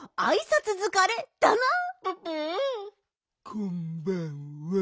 こんばんは。